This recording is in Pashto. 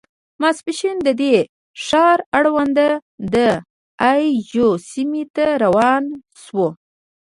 ماسپښین د دې ښار اړوند د اي جو سیمې ته روان شوو.